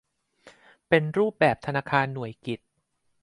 เป็นรูปแบบธนาคารหน่วยกิต